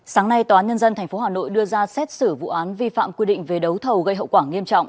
sáng nay tòa nhân dân tp hà nội đưa ra xét xử vụ án vi phạm quy định về đấu thầu gây hậu quả nghiêm trọng